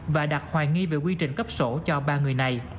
và đặt hoài nghi về quy trình cấp sổ cho ba người này